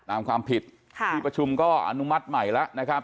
ตามความผิดที่ประชุมก็อนุมัติใหม่แล้วนะครับ